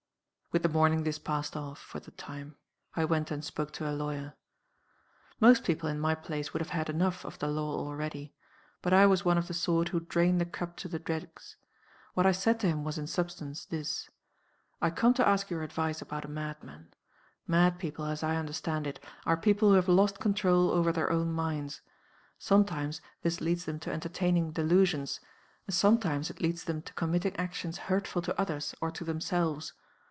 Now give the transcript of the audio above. "With the morning this passed off, for the time. I went and spoke to a lawyer. "Most people, in my place, would have had enough of the law already. But I was one of the sort who drain the cup to the dregs. What I said to him was, in substance, this. 'I come to ask your advice about a madman. Mad people, as I understand it, are people who have lost control over their own minds. Sometimes this leads them to entertaining delusions; and sometimes it leads them to committing actions hurtful to others or to themselves.